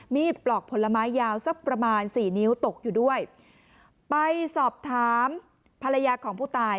ปลอกผลไม้ยาวสักประมาณสี่นิ้วตกอยู่ด้วยไปสอบถามภรรยาของผู้ตาย